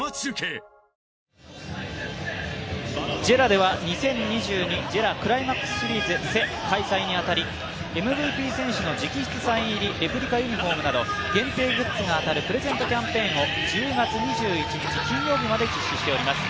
ＪＥＲＡでは２０２２ＪＥＲＡクライマックスシリーズ開催に当たりＭＶＰ選手の直筆サイン入りグッズなど限定グッズが当たるプレゼントキャンペーンを１０月２１日金曜日まで実施しています。